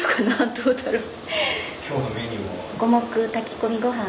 どうだろう。